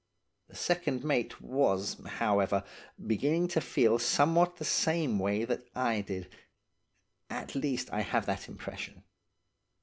The second mate was, however, beginning to feel somewhat the same way that I did; at least I have that impression.